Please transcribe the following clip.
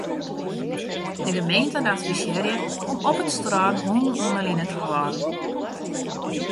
De gemeenten advisearje om op it strân hûnen oan 'e line te hâlden.